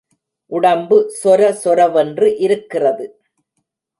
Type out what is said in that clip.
உடம்பு சொர சொரவென்று இருக்கிறது.